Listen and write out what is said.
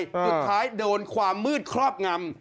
สุดท้ายโดนความมืดครอบงำ